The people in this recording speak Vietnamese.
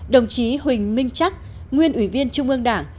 hai đồng chí huỳnh minh trắc nguyên ủy viên trung ương đảng